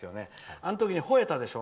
あの時にほえたでしょ。